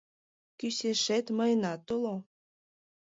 — Кӱсешет мыйынат уло!